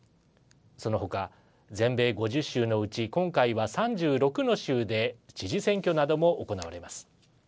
その他全米５０州のうち今回は３６の州で知事選挙なども行われます。